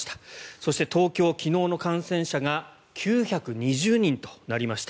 そして東京は昨日の感染者が９２０人となりました。